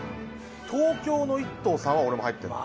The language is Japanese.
東京の一燈さんは俺も入ってんの。